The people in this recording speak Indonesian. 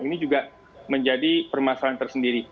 ini juga menjadi permasalahan tersendiri